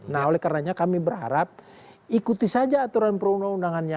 nah oleh karenanya kami berharap ikuti saja peraturan perwenang wenang yang ada